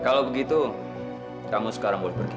kalau begitu kamu sekarang boleh pergi